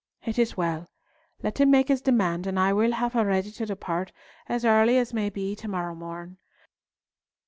"It is well. Let him make his demand, and I will have her ready to depart as early as may be to morrow morn.